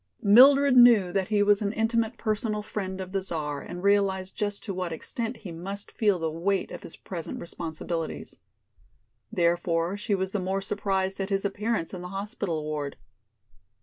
Mildred knew that he was an intimate personal friend of the Czar and realized just to what extent he must feel the weight of his present responsibilities. Therefore she was the more surprised at his appearance in the hospital ward.